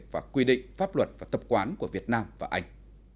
và quy định pháp luật và tập quán của việt nam và anh